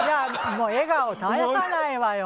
笑顔を絶やさないわよ。